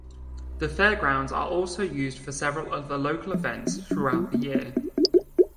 The fairgrounds are also used for several other local events throughout the year.